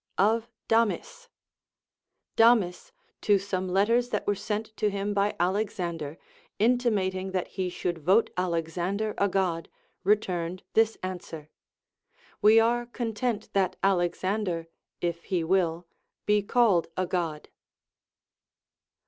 Of Damis. Damis to some letters that were sent to him by Alexan der, intimating that he should vote Alexander a God, LACONIC APOPHTHEGMS. 407 returned this answer : We are content that Alexander (if he will) be called a God.